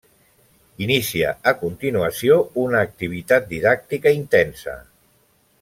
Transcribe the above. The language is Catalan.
Inicia a continuació una activitat didàctica intensa.